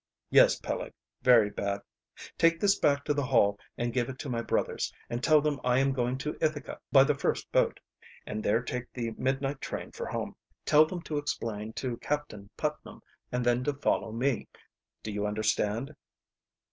"Yes, Peleg, very bad. Take this back to the Hall and give it to my brothers, and tell them I am going to Ithaca by the first boat, and there take the midnight train for home. Tell them to explain to Captain Putnam and then to follow me. Do you understand?"